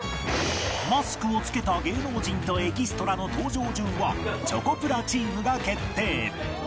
マスクを着けた芸能人とエキストラの登場順はチョコプラチームが決定